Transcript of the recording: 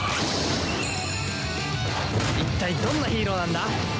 いったいどんなヒーローなんだ？